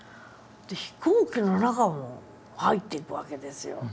飛行機の中も入っていくわけですよ。